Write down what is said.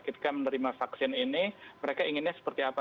ketika menerima vaksin ini mereka inginnya seperti apa